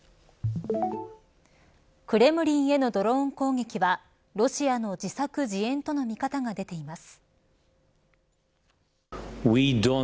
クレムリンへのドローン攻撃はロシアの自作自演との見方が出ています。